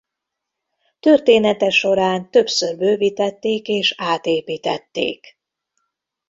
Története során többször bővítették és átépítették.